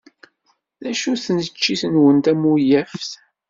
D acu-tt tneččit-nwen tamuyaft?